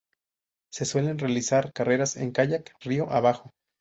Se suelen realizar carreras en kayak río abajo.